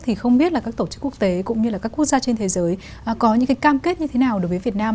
thì không biết các tổ chức quốc tế cũng như các quốc gia trên thế giới có những cam kết như thế nào đối với việt nam